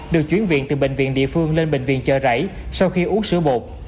được chuyển viện từ bệnh viện địa phương lên bệnh viện chợ rẫy sau khi uống sữa bột